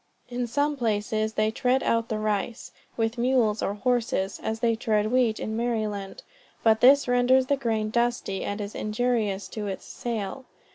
In some places, they tread out the rice, with mules or horses, as they tread wheat in Maryland; but this renders the grain dusty, and is injurious to its sale.